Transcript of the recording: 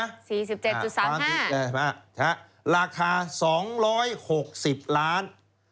ความยาว๔๕ราคา๒๖๐ล้าน